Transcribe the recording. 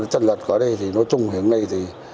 tranh lệch ở đây thì nói chung hiện nay thì